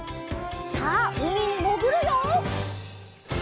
さあうみにもぐるよ！